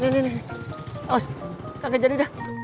awas kakek jadi dah